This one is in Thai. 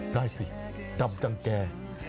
ได้สิดำจังแก่